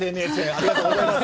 ありがとうございます。